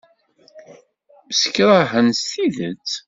Msekṛahen s tidet.